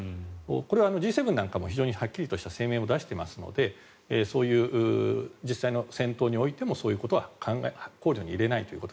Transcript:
これはＧ７なんかも非常にはっきりとした声明を出していますのでそういう実際の戦闘においてもそういうことは考慮に入れないと。